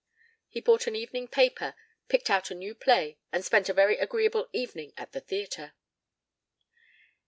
He bought an evening paper, picked out a new play, and spent a very agreeable evening at the theatre.